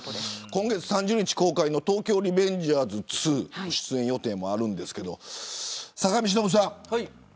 今月３０日公開の東京リベンジャーズ２出演予定もあるんですけど坂上忍さん。